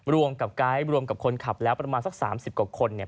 รวมกับกายร์ดรวมกับคนขับแล้วประมาณสักสามสิบกว่าคนเนี่ย